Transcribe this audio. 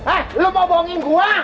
eh lu mau bohongin gua